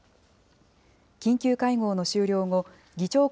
緊急会合の終了後、議長国